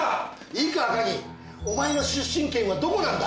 いいか赤木お前の出身県はどこなんだ？